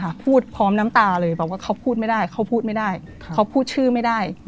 พูดพร้อมน้ำตาเลยบอกว่าเขาพูดไม่ได้เขาพูดไม่ได้เขาพูดชื่อไม่ได้